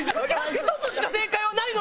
１つしか正解はないのに！